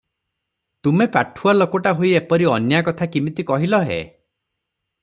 ତୁମେ ପାଠୁଆ ଲୋକଟା ହୋଇ ଏପରି ଅନ୍ୟାୟ କଥା କିମିତି କହିଲ ହେ?